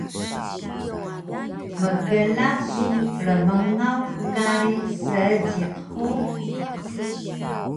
Mkla su rmngaw kari Seejiq hug?